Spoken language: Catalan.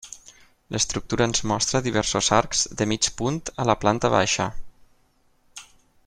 L'estructura ens mostra diversos arcs de mig punt a la planta baixa.